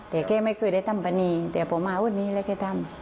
แต่เคยไม่เคยได้ทำแบบนี้เดี๋ยวพ่อมาอาวุธนี้เลยเคยทำ